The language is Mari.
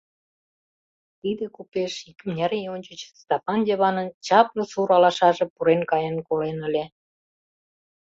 Тиде купеш икмыняр ий ончыч Стапан Йыванын чапле сур алашаже пурен каен колен ыле.